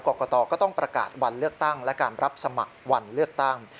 กรกตก็ต้องประกาศวันเลือกตั้งและการรับสมัครวันเลือกตั้ง